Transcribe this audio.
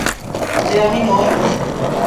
যে আমি নই?